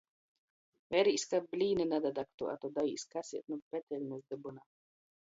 Verīs, kab blīni nadadagtu, a to daīs kaseit nu peteļnis dybyna!